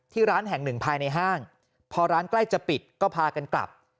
ร้านแห่งหนึ่งภายในห้างพอร้านใกล้จะปิดก็พากันกลับ